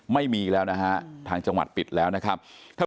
ไม่มีแล้วนะฮะทางจังหวัดปิดแล้วนะครับ